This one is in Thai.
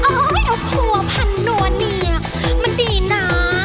โอ้ยเอาผัวผันหนัวเนี่ยมันดีนะ